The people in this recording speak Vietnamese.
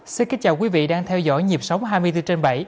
xin kính chào quý vị đang theo dõi nhịp sống hai mươi bốn trên bảy